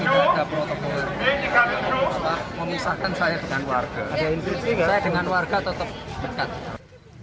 setelah memisahkan saya dengan warga saya dengan warga tetap dekat